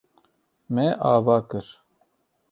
Me ava kir.